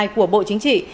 của bộ chính trị